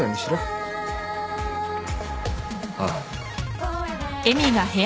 ああ。